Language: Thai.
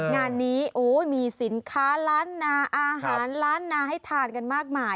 งานนี้มีสินค้าล้านนาอาหารล้านนาให้ทานกันมากมาย